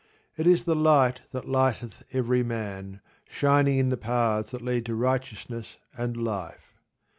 It is the light that lighteth every man, shining in the paths that lead to righteousness and life.